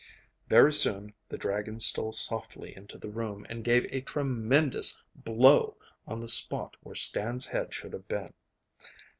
Very soon the dragon stole softly into the room, and gave a tremendous blow on the spot where Stan's head should have been.